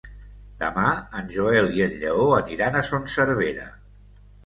Demà en Joel i en Lleó aniran a Son Servera.